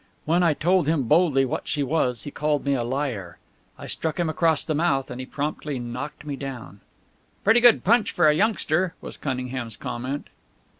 When I told him boldly what she was he called me a liar. I struck him across the mouth, and he promptly knocked me down." "Pretty good punch for a youngster," was Cunningham's comment.